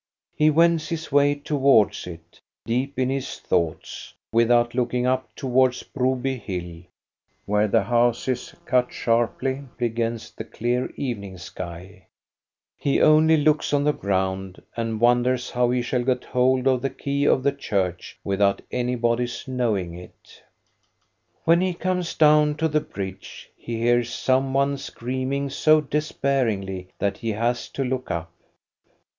He wends his way towards it, deep in his thoughts, with out looking up towards Broby hi!!, where the houses cut sharply against the clear evening sky; he only looks on the ground, and wonders how he shall get hold of the key of the church without anybody's knowing it. When he comes down to the bridge, he hears some one screaming so despairingly that he has to look up.